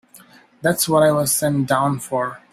That's what I was sent down for.